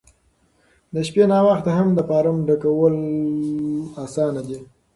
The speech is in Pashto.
د شپې ناوخته هم د فارم ډکول اسانه دي.